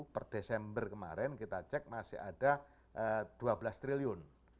per desember kemarin kita cek masih ada dua belas triliun